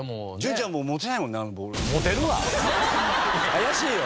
怪しいよ！